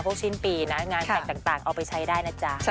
สิ้นปีนะงานแต่งต่างเอาไปใช้ได้นะจ๊ะ